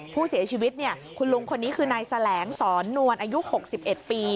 ผู้เสียชีวิตคุณลุงคนนี้คือนายแสลงสอนนวลอายุ๖๑ปี